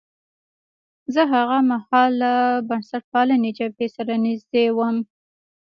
زه هاغه مهال له بنسټپالنې جبهې سره نژدې وم.